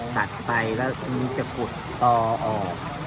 ตัดไปแล้วจะปลุกต่อออก